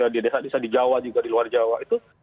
di desa desa di jawa juga di luar jawa itu